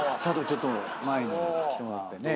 ちょっと前に来てもらってね。